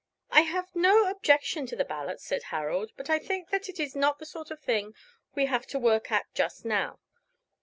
"I have no objection to the ballot," said Harold, "but I think that is not the sort of thing we have to work at just now.